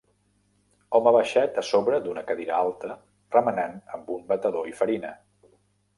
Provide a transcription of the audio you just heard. Home baixet a sobre d'una cadira alta remenant amb un batedor i farina.